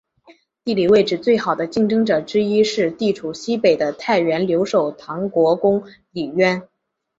地理位置最好的竞争者之一是地处西北的太原留守唐国公李渊。